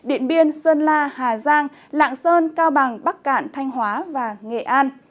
yên sơn la hà giang lạng sơn cao bằng bắc cạn thanh hóa và nghệ an